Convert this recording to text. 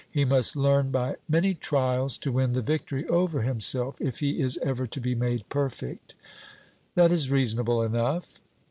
He must learn by many trials to win the victory over himself, if he is ever to be made perfect. 'That is reasonable enough.'